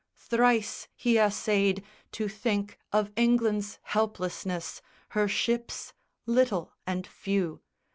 Thrice he assayed To think of England's helplessness, her ships Little and few.